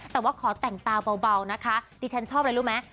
แต่ว่าขอแต่งตาเบานะคะดิฉันชอบอะไรรู้ไหม